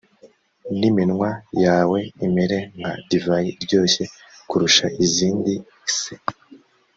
n iminwa yawe imere nka divayi iryoshye kurusha izindi se